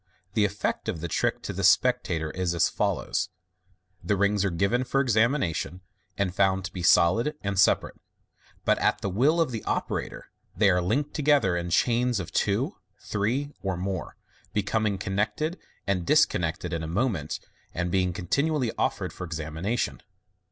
The effect of the trick to the spectator is as follows: — The rings are given for examination, and found to be solid and separate ; but at the will of the operator they are linked together in chains of two, three, or more, becoming connected and disconnected in a moment, and being continu ally offered for examination.